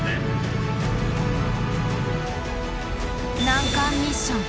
難関ミッション